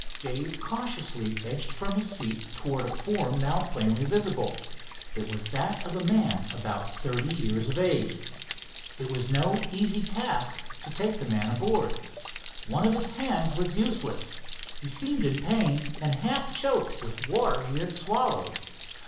Dave cautiously edged from his seat towards a form now plainly visible. It was that of a man about thirty years of age. It was no easy task to take the man aboard. One of his hands was useless. He seemed in pain and half choked with water he had swallowed.